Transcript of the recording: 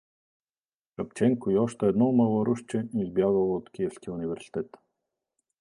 Шапченко и още едно малорусче, избягало от Киевския университет.